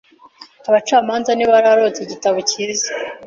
Abacamanza ntibaratora igitabo cyiza.